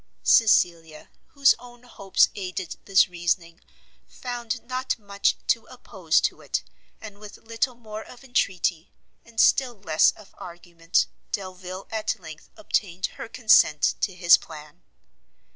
Cecilia, whose own hopes aided this reasoning, found not much to oppose to it; and with little more of entreaty, and still less of argument, Delvile at length obtained her consent to his plan.